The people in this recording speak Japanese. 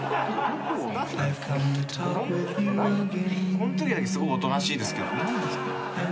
こんときだけすごいおとなしいですけど。